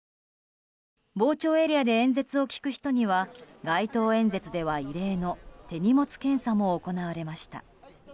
傍聴エリアで演説を聞く人には街頭演説では異例の手荷物検査も行われました。